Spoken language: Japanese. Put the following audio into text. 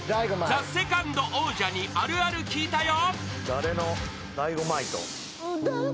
［ＴＨＥＳＥＣＯＮＤ王者にあるある聞いたよ］